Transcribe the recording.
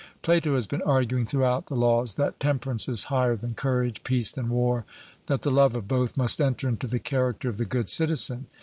Plato has been arguing throughout the Laws that temperance is higher than courage, peace than war, that the love of both must enter into the character of the good citizen.